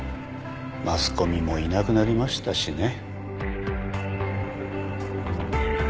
マスコミもいなくなりましたしね。